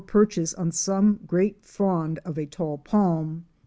perches on some great frond of a tall palm.